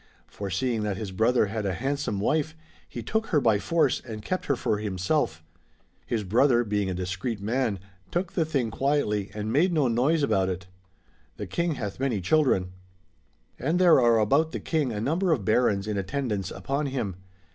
For seeing that his brother had a handsome wife, he took her by force and kept her for himself His brother, being a discreet man, took the thing quietly and made no noise about it. The King hath many cliildren. And there are about the King a number of Barons in attendance upon him.